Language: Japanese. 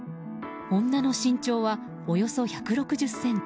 女の身長は、およそ１６０ｃｍ。